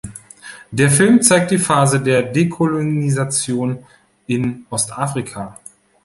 Der Film zeigt die Phase der Dekolonisation in Ostafrika.